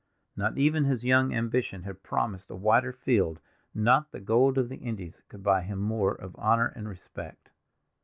Not even his young ambition had promised a wider field, not the gold of the Indies could buy him more of honor and respect.